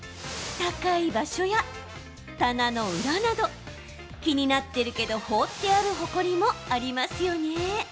高い場所や棚の裏など気になってるけど放ってあるほこりも、ありますよね。